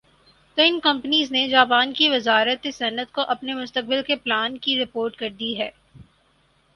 تو ان کمپنیز نےجاپان کی وزارت صنعت کو اپنے مستقبل کے پلان کی رپورٹ کر دی ھے